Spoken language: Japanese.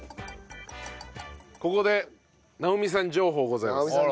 ここで直美さん情報ございます。